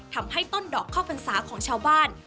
ทำให้ต้นดอกข้าวพรรษาของชาวบ้าน